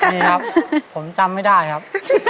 มีครับผมจำไม่ได้ครับ